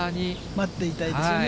待っていたいですよね。